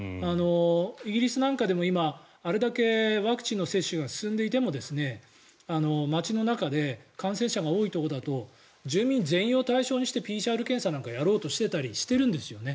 イギリスなんかでも今、あれだけワクチンの接種が進んでいても街の中で感染者が多いところだと住民全員を対象にしてＰＣＲ検査なんかやろうとしていたりしているんですよね。